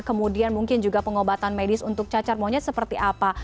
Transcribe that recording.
kemudian mungkin juga pengobatan medis untuk cacar monyet seperti apa